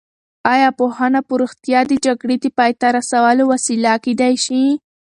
ایا پوهنه په رښتیا د جګړې د پای ته رسولو وسیله کېدای شي؟